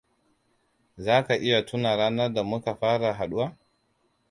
Za ka iya tuna ranar da muka fara haɗuwa?